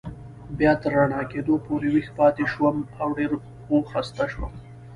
بیا تر رڼا کېدو پورې ویښ پاتې شوم او ډېر و خسته شوم.